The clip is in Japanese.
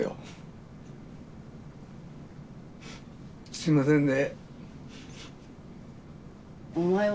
すいませんね。